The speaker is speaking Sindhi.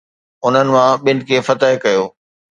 انهن مان ٻن کي فتح ڪيو